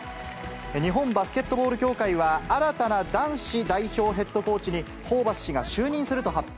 日本バスケットボール協会は、新たな男子代表ヘッドコーチにホーバス氏が就任すると発表。